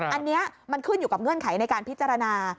อันนี้มันขึ้นอยู่กับเงื่อนไขในการพิจารณา